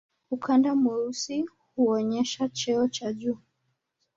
Ukanda mweusi huonyesha cheo cha juu.